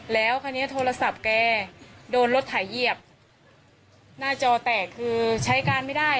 แล้วคราวนี้โทรศัพท์แกโดนรถไถเหยียบหน้าจอแตกคือใช้การไม่ได้